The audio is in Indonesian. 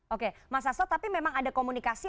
oke mas asto tapi memang ada komunikasi